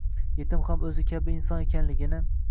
yetim ham o'zi kabi inson ekanligini